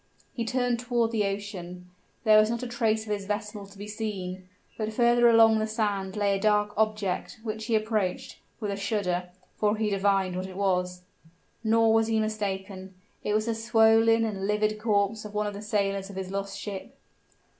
He turned toward the ocean; there was not a trace of his vessel to be seen. But further along the sand lay a dark object, which he approached, with a shudder, for he divined what it was. Nor was he mistaken; it was the swollen and livid corpse of one of the sailors of his lost ship.